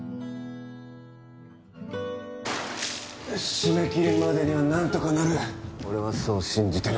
締め切りまでにはなんとかなる俺はそう信じてる。